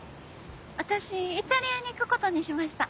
私イタリアに行くことにしました。